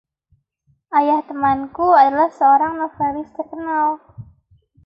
Ayah temanku adalah seorang novelis terkenal.